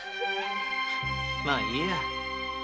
まあいいや。